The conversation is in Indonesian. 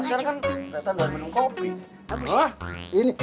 sekarang kan setan ga minum kopi